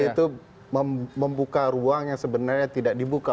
itu membuka ruang yang sebenarnya tidak dibuka